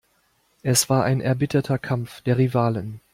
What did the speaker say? Es war ein erbitterter Kampf der Rivalen.